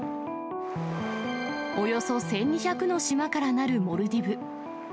およそ１２００の島から成るモルディブ。